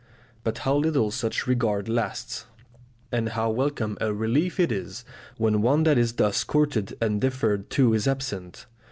But how little such regard lasts, and how welcome a relief it is, when one that is thus courted and deferred to is absent!